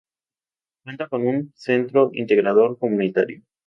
Cuenta con un centro integrador comunitario.